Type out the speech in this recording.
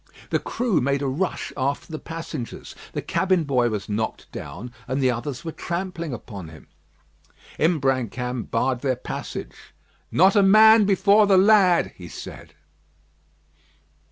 The crew made a rush after the passengers the cabin boy was knocked down, and the others were trampling upon him. Imbrancam barred their passage. "Not a man before the lad," he said.